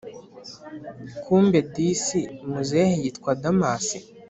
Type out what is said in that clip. kumbe disi muzehe yitwa damas”